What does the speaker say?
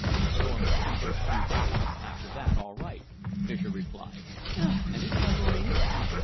"Storms for the first few days after that all right," Fischer replied. "Any submarines?"